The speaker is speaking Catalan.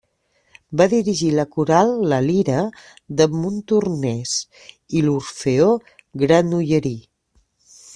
Va dirigir la coral La Lira de Montornès i l'Orfeó Granollerí.